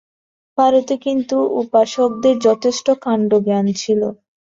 ভারতে কিন্তু উপাসকদের যথেষ্ট কাণ্ডজ্ঞান ছিল।